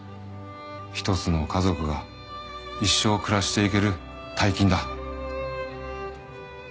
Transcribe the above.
一つの家族が一生暮らしていける大金だ。